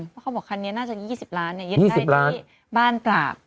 เขาบอกว่าคันนี้น่าจะ๒๐ล้านเนี่ยยินได้ที่บ้านปราบ